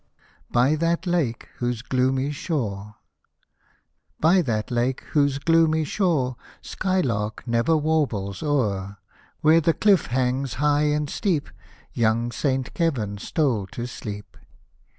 BY THAT LAKE, WHOSE GLOOMY SHORE By that Lake, whose gloomy shore Sky lark never warbles o'er, Where the cliff hangs high and steep, Young Saint Kevin stole to sleep.